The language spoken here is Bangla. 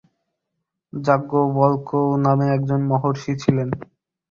যাজ্ঞবল্ক্য নামে একজন মহর্ষি ছিলেন।